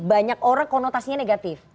banyak orang konotasinya negatif